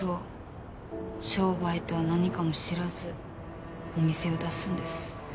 商売とは何かも知らずお店を出すんです。